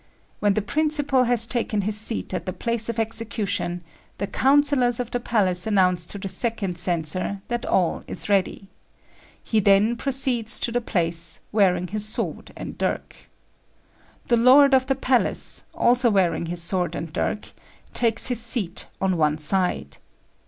When the principal has taken his seat at the place of execution, the councillors of the palace announce to the second censor that all is ready; he then proceeds to the place, wearing his sword and dirk. The lord of the palace, also wearing his sword and dirk, takes his seat on one side.